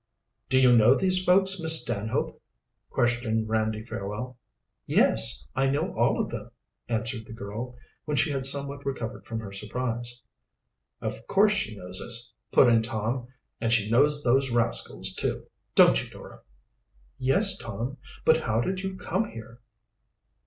"Do you know these folks, Miss Stanhope?" questioned Randy Fairwell. "Yes, I know all of them." answered the girl, when she had somewhat recovered from her surprise. "Of course she knows us," put in Tom, "and she knows those rascals, too; don't you, Dora?" "Yes, Tom. But how did you come here?"